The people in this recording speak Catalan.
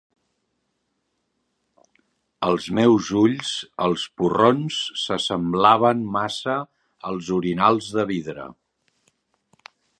Als meus ulls, els porrons s'assemblaven massa als orinals de vidre